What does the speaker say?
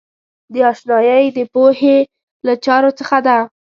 دا آشنایۍ د پوهې له چارو څخه ده.